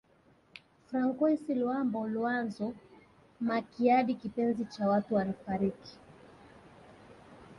Francois Luambo Luanzo Makiadi kipenzi cha watu alifariki